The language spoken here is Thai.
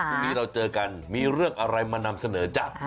พรุ่งนี้เราเจอกันมีเรื่องอะไรมานำเสนอจ้ะ